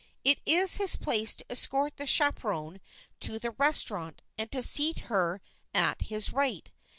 It is his place to escort the chaperon to the restaurant and to seat her at his right.